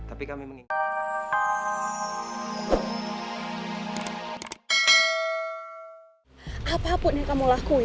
apapun yang kamu lakuin